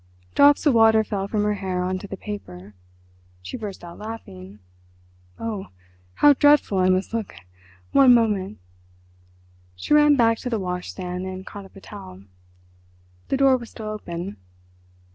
Drops of water fell from her hair on to the paper. She burst out laughing. "Oh, how dreadful I must look—one moment!" She ran back to the washstand and caught up a towel. The door was still open....